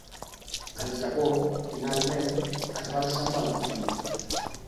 El Japó, finalment, es va alçar amb el títol.